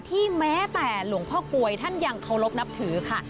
แม้แต่หลวงพ่อกลวยท่านยังเคารพนับถือค่ะ